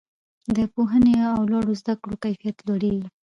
د پوهنې او لوړو زده کړو کیفیت لوړیږي.